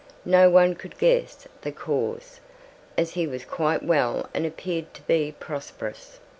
No one could guess the cause, as he was quite well and appeared to be prosperous.